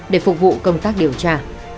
để phục vụ công tác điều tra